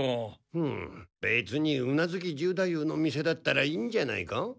うんべつに宇奈月十太夫の店だったらいいんじゃないか？